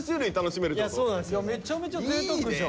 めちゃめちゃぜいたくじゃん！